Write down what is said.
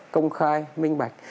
công khai minh bạch